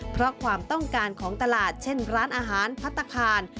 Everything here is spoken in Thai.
เพราะความต้องการของตลาดเช่นร้านอาหารพัฒนาคาร